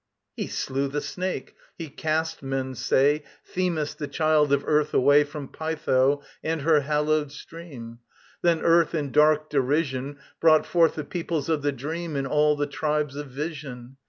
[ANTISTROPHE.] He slew the Snake; he cast, men say, Themis, the child of Earth, away From Pytho and her hallowed stream; Then Earth, in dark derision, Brought forth the Peoples of the Dream And all the tribes of Vision.